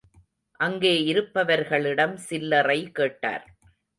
அங்கே இருப்பவர்களிடம் சில்லறை கேட்டார்.